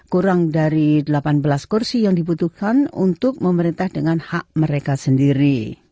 kurang dari delapan belas kursi yang dibutuhkan untuk memerintah dengan hak mereka sendiri